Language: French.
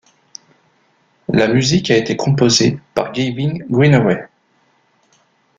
La musique a été composée par Gavin Greenaway.